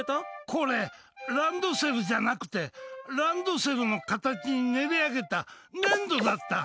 これランドセルじゃなくて、ランドセルの形に練り上げた粘土だった！